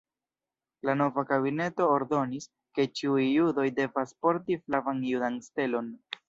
La nova kabineto ordonis, ke ĉiuj judoj devas porti flavan judan stelon.